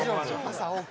朝ＯＫ。